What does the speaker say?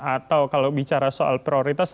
atau kalau bicara soal prioritas